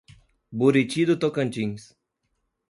Buriti do Tocantins